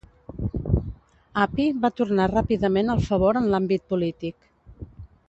Appi va tornar ràpidament el favor en l'àmbit polític.